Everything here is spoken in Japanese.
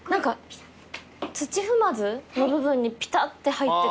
土踏まずの部分にピタッて入ってて。